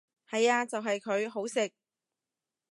係呀就係佢，好食！